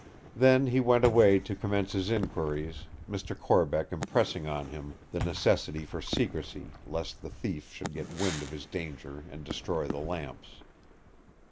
Then he went away to commence his inquiries, Mr. Corbeck impressing on him the necessity for secrecy lest the thief should get wind of his danger and destroy the lamps.